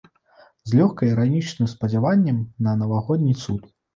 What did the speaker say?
З лёгка-іранічным спадзяваннем на навагодні цуд.